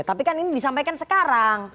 tapi kan ini disampaikan sekarang